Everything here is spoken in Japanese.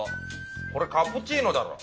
これカプチーノだろ。